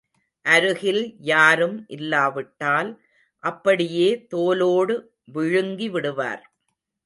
அருகில் யாரும் இல்லாவிட்டால், அப்படியே தோலோடு விழுங்கி விடுவார்.